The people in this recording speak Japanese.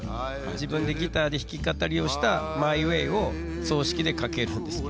自分でギターで弾き語りをしたマイウェイを葬式でかけるんですけ